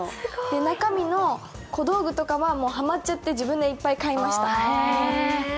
中身の小道具とかははまっちゃって自分でいっぱい買いました。